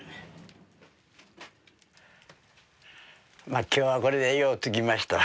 まあ今日はこれでようつきました。